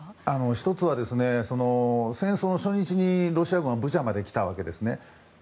１つは、戦争初日にロシア軍はブチャまで来たわけですね。